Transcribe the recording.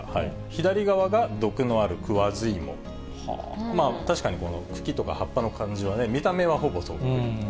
左側が毒のあるクワズイモ、確かにこの茎とか葉っぱの感じはね、見た目はほぼそっくり。